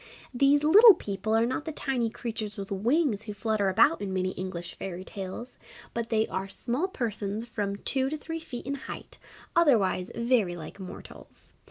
These Little People are not the tiny creatures with wings who flutter about in many English Fairy tales, but they are small persons from two to three feet in height, otherwise very like mortals.